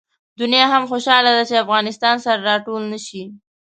دنیا هم خوشحاله ده چې افغانستان سره راټول نه شي.